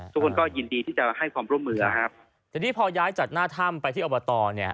ทุกคนก็ยินดีที่จะให้ความร่วมมือครับทีนี้พอย้ายจากหน้าถ้ำไปที่อบตเนี่ย